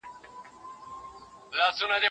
ټولنيز پرمختګ تر فردي پرمختګ پراخ دی.